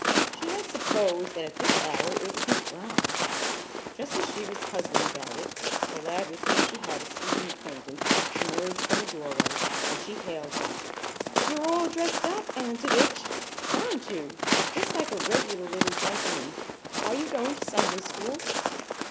She had supposed that at this hour it would be thronged. Just as she was puzzling about it, a lad with whom she had a speaking acquaintance emerged from a doorway and she hailed him: "You're all dressed up, Antovich, aren't you? Just like a regular little gentleman. Are you going to Sunday school?"